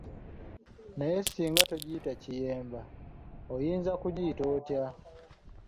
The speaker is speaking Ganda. Naye singa togiyita kiyemba, oyinza kugiyita otya?